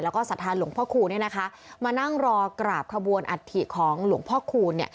แล้วก็สัทธาหลวงพ่อคูณมานั่งรอกราบขบวนอัฐิของหลวงพ่อคูณ